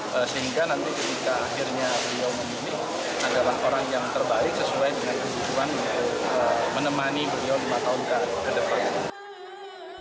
sehingga nanti ketika akhirnya beliau memilih adalah orang yang terbaik sesuai dengan kebutuhan menemani beliau lima tahun ke depan